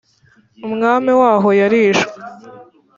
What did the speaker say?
umwami waho yarishwe